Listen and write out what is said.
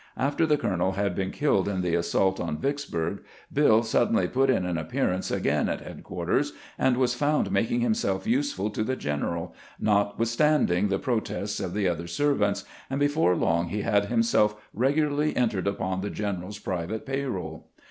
After the colonel had been killed in the assault on Vicksburg, Bill suddenly put in an appear ance again at headquarters, and was found making himself useful to the general, notwithstanding the pro tests of the other servants, and before long he had him self regularly entered upon the general's private pay roll.